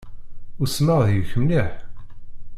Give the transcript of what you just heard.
Usmeɣ deg-k mliḥ